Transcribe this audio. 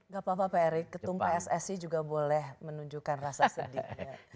gak apa apa pak erik ketum pssi juga boleh menunjukkan rasa sedih